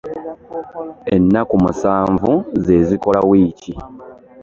Ennaku musanvu zezikola wiiki .